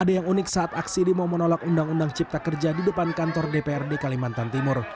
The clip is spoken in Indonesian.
ada yang unik saat aksi demo menolak undang undang cipta kerja di depan kantor dprd kalimantan timur